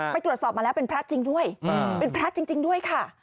ไปตรวจสอบมาแล้วเป็นพระจริงด้วยเป็นพระจริงด้วยค่ะ